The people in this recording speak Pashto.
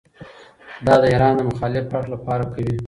دا د ايران د مخالف اړخ له پاره کوي.